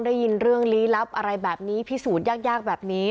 ได้ยินเรื่องลี้ลับอะไรแบบนี้พิสูจน์ยากแบบนี้